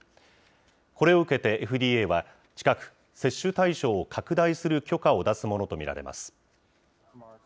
これを受けてＦＤＡは、近く接種対象を拡大する許可を出すものと見られます。